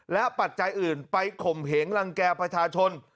และปัจจัยอื่นไปข่มเหงรังแก่ประชาชน